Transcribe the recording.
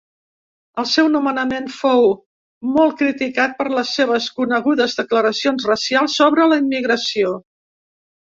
El seu nomenament fou molt criticat per les seves conegudes declaracions racials sobre la immigració.